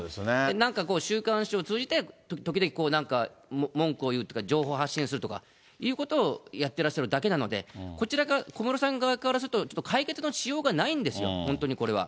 なんか週刊誌を通じて、時々なんか文句を言うとか、情報を発信するとかいうことをやってらっしゃるだけなので、こちらから、小室さん側からすると、ちょっと解決のしようがないんですよ、本当にこれは。